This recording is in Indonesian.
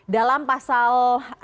dalam pasal enam